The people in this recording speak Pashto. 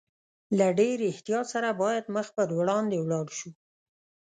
له ډېر احتیاط سره باید مخ پر وړاندې ولاړ شو.